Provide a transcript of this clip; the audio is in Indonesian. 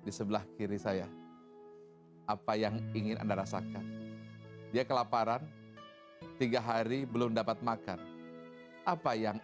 di sebelah kiri saya apa yang ingin anda rasakan dia kelaparan tiga hari belum dapat makan apa yang